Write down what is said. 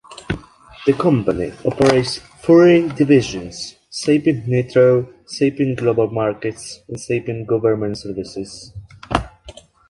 The company operates three divisions, SapientNitro, Sapient Global Markets and Sapient Government Services.